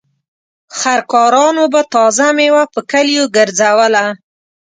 خر کارانو به تازه مېوه په کليو ګرځوله.